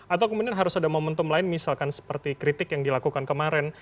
atau kemudian harus ada momentum lain misalkan seperti kritik yang dilakukan kemarin